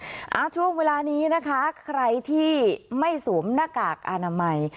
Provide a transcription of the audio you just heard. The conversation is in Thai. เอาช่วงเวลานี้นะคะใครที่ไม่สวมหน้ากากอนามัย